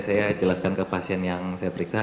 saya jelaskan ke pasien yang saya periksa